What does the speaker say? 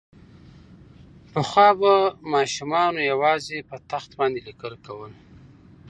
پخوا به ماسومانو یوازې په تخته باندې لیکل کول.